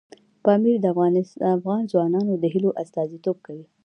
پامیر د افغان ځوانانو د هیلو استازیتوب کوي.